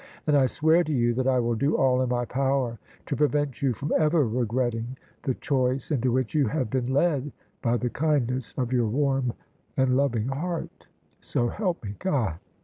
And I swear to you that I will do all in my power to prevent you from ever regretting the choice into which you have been led by the kindness of your warm and loving heart; so help me God."